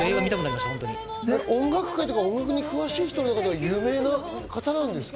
音楽界とか音楽に詳しい方の中では有名な方なんですか？